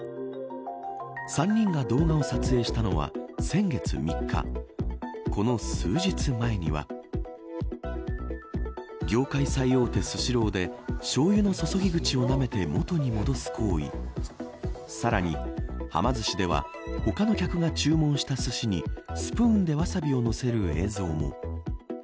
３人が動画を撮影したのは先月３日この数日前には業界最大手スシローでしょうゆの注ぎ口をなめて元に戻す行為さらに、はま寿司では他の客が注文したすしにスプーンでわさびをのせる映像も。